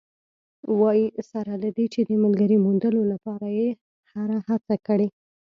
وايي، سره له دې چې د ملګرې موندلو لپاره یې هره هڅه کړې